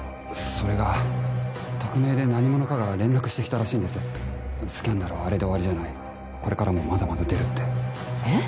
それが匿名で何者かが連絡してきたらしいんですスキャンダルはあれで終わりじゃないこれからもまだまだ出るってえっ？